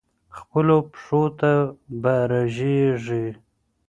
خپلو پښو ته به رژېږې